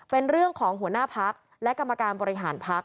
เป็นเรื่องของหัวหน้าพักและกรรมการบริหารพัก